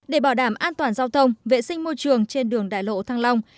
để bảo đảm an toàn giao thông vệ sinh môi trường trên đường đại lộ thăng long